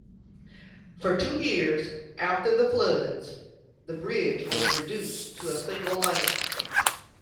For two years after the floods, the bridge was reduced to a single lane.